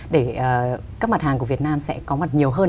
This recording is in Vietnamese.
để các mặt hàng của việt nam sẽ có mặt nhiều hơn